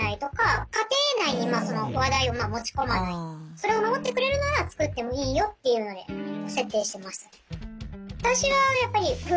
それを守ってくれるならつくってもいいよっていうので設定してました。